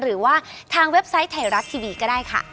หรือว่าทางเว็บไซต์ไทยรัฐทีวีก็ได้ค่ะ